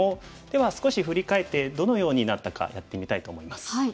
では少し振り返ってどのようになったかやってみたいと思います。